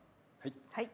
はい。